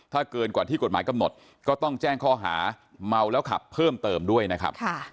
ถ้าเกินกว่าที่กฎหมายกำหนดก็ต้องแจ้งข้อหาเมาแล้วขับเพิ่มเติมด้วยนะครับ